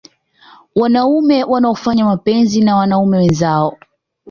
Wanaume wanaofanya mapenzi na wanaume wenzao